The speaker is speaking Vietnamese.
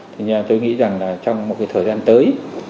thì tôi nghĩ rằng là trong một cái thời gian tới